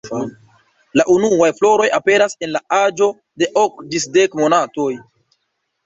La unuaj floroj aperas en la aĝo de ok ĝis dek monatoj.